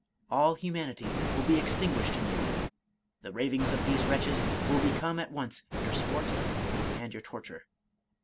All humanity will be extinguished in you. The ravings of these wretches will become at once your sport and your torture.